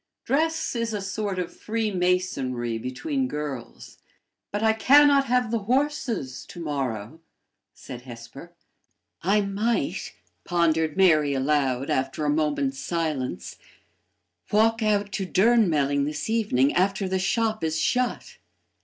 Dress is a sort of freemasonry between girls. "But I can not have the horses to morrow," said Hesper. "I might," pondered Mary aloud, after a moment's silence, "walk out to Durnmelling this evening after the shop is shut.